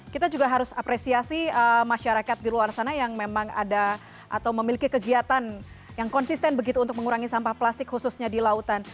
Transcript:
kita juga harus apresiasi masyarakat di luar sana yang memang ada atau memiliki kegiatan yang konsisten begitu untuk mengurangi sampah plastik khususnya di lautan